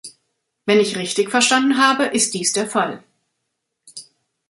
Wenn ich richtig verstanden habe, ist dies der Fall.